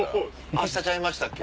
明日ちゃいましたっけ？